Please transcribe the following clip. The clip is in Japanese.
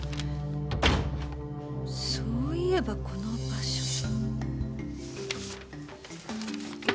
そういえばこの場所。